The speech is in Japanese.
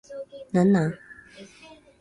何なん